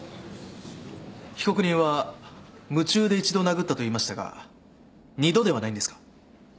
被告人は夢中で１度殴ったと言いましたが２度ではないんですか。